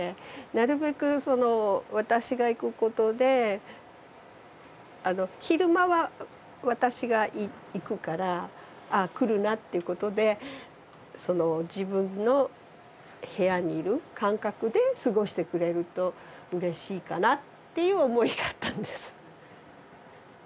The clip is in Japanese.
なるべく私が行くことで昼間は私が行くからああ来るなってことで自分の部屋にいる感覚で過ごしてくれるとうれしいかなっていう思いがあったんです。